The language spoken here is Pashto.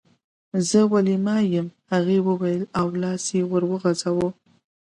زه ویلما یم هغې وویل او لاس یې ور وغزاوه